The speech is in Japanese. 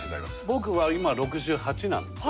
僕は今６８なんですよ。